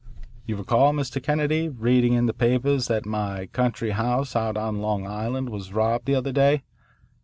"You recall, Mr. Kennedy, reading in the papers that my country house out on Long Island was robbed the other day?